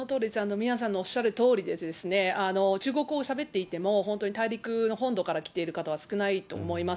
宮根さんがおっしゃるとおりで、中国語をしゃべっていても本当に大陸の本土から来ている方は少ないと思います。